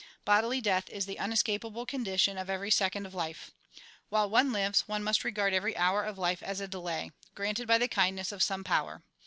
Bodily death is the unescapable condition of every second of life. While one lives, one must regard every hour of life as a delay, granted by the kindness of some power.